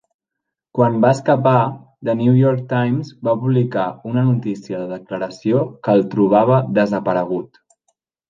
Quan va escapar, "The New York Times" va publicar una notícia de declaració que el trobava desaparegut.